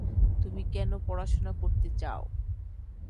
তুমি কেন পড়াশুনা করতে চাও?